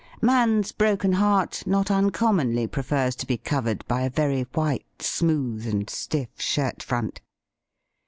Man's broken heart not un comTOonly prefers to be covered by a very white, smooth, and stiff shirt front.